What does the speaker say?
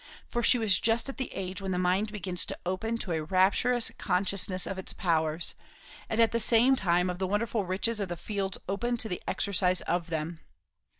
For she was just at the age when the mind begins to open to a rapturous consciousness of its powers, and at the same time of the wonderful riches of the fields open to the exercise of them.